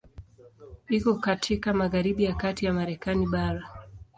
Iko katika magharibi ya kati ya Marekani bara.